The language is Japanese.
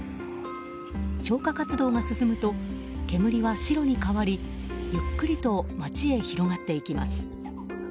消火活動が進むと煙は白に変わりゆっくりと街へ広がっていきます。